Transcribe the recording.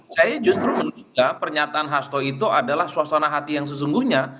saya justru menduga pernyataan hasto itu adalah suasana hati yang sesungguhnya